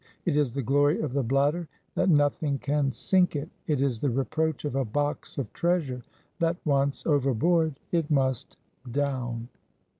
It is the glory of the bladder that nothing can sink it; it is the reproach of a box of treasure, that once overboard it must down.